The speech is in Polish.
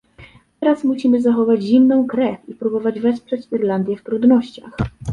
Teraz musimy zachować zimną krew i próbować wesprzeć Irlandię w trudnościach